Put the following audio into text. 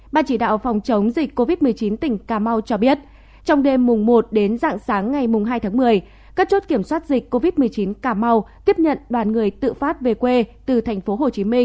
ban chỉ đạo phòng chống dịch covid một mươi chín tỉnh cà mau cho biết trong đêm mùng một đến dạng sáng ngày hai tháng một mươi các chốt kiểm soát dịch covid một mươi chín cà mau tiếp nhận đoàn người tự phát về quê từ tp hcm